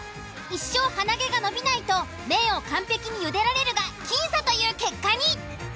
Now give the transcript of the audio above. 一生鼻毛が伸びないと麺を完璧に茹でられるが僅差という結果に。